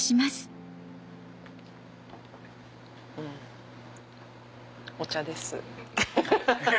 うんお茶です。